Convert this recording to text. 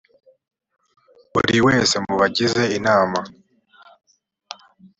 buri wese mu bagize inama